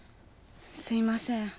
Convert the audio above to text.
すいません。